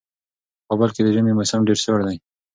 په کابل کې د ژمي موسم ډېر سوړ وي.